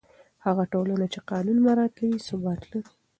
هغه ټولنه چې قانون مراعتوي، ثبات لري.